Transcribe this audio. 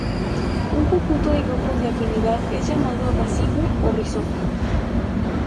Un conjunto de grupos de afinidad es llamado racimo o rizoma.